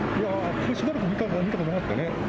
ここしばらく見たことなかったね。